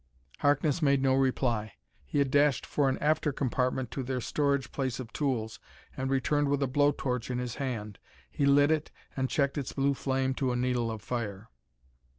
Harkness made no reply. He had dashed for an after compartment to their storage place of tools, and returned with a blow torch in his hand. He lit it and checked its blue flame to a needle of fire.